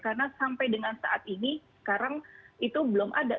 karena sampai dengan saat ini sekarang itu belum ada